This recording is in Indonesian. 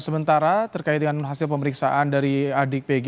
sementara terkait dengan hasil pemeriksaan dari adik pg